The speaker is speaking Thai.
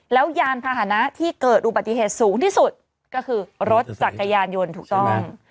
แล้วยานพาหนะที่เกิดอุบัติเหตุสูงที่สุดก็คือรถจักรยานยนต์ถูกต้อง